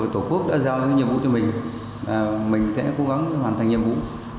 tổ quốc đã giao cho nhiệm vụ cho mình mình sẽ cố gắng hoàn thành nhiệm vụ